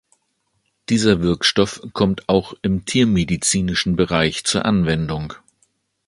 Dieser Wirkstoff kommt auch im tiermedizinischen Bereich zur Anwendung.